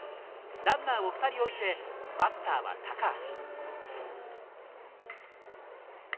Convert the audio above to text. ランナーを２人置いてバッターは高橋。